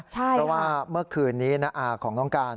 เพราะว่าเมื่อคืนนี้นะอาของน้องการ